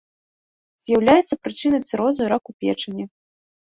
З'яўляецца прычынай цырозу і раку печані.